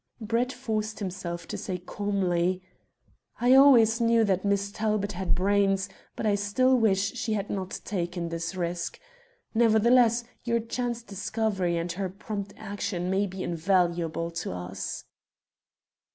Brett forced himself to say calmly "I always knew that Miss Talbot had brains, but still I wish she had not taken this risk. Nevertheless, your chance discovery and her prompt action may be invaluable to us."